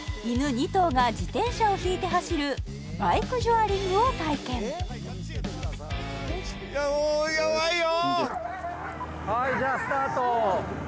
２頭が自転車をひいて走るバイクジョアリングを体験よしいくぞ！